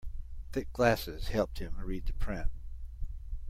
Thick glasses helped him read the print.